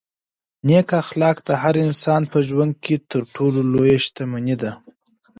نېک اخلاق د هر انسان په ژوند کې تر ټولو لویه شتمني ده.